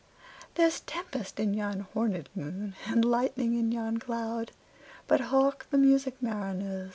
There's tempest in yon hornèd moon, And lightning in yon cloud:But hark the music, mariners!